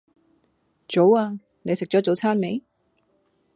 早呀！你食左早餐未